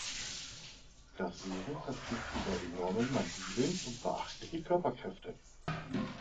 Das Wesen verfügt über enorme Mandibeln und beachtliche Körperkräfte.